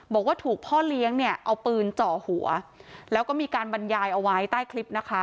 บอกว่าถูกพ่อเลี้ยงเนี่ยเอาปืนเจาะหัวแล้วก็มีการบรรยายเอาไว้ใต้คลิปนะคะ